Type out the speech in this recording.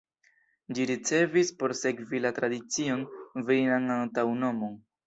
Ĝi ricevis, por sekvi la tradicion, virinan antaŭnomon.